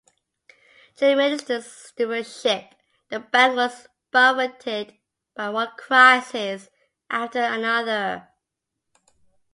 During Middleton's stewardship, the bank was buffeted by one crisis after another.